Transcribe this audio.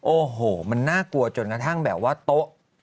โอ้โหมันน่ากลัวจนกระทั่งแบบว่าโต๊ะ